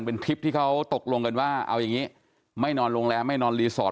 เป็นคลิปที่เขาตกลงกันว่าเอาอย่างนี้ไม่นอนโรงแรมไม่นอนรีสอร์ท